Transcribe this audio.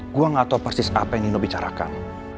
gue gak tau persis apa yang nino bicarakan